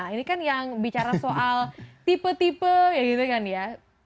ini kan yang bicara soal tipe tipe ya gitu kan ya